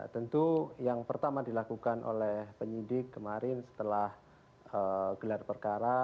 tentu yang pertama dilakukan oleh penyidik kemarin setelah gelar perkara